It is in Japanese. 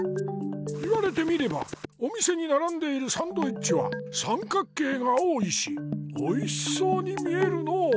言われてみればお店にならんでいるサンドイッチはさんかく形が多いしおいしそうに見えるのう。